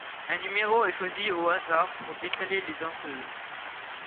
Un numéro est choisi au hasard pour décaler les danseuses.